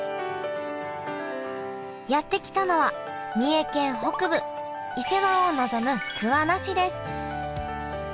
やって来たのは三重県北部伊勢湾を臨む桑名市です。